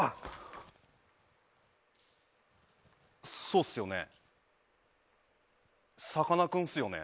そうっすよね。